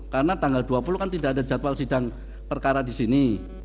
karena tanggal dua puluh kan tidak ada jadwal sidang perkara di sini